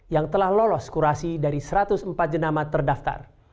yang telah lolos kurasi dari satu ratus empat jenama terdaftar